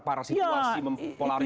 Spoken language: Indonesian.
apakah itu semakin memperparah situasi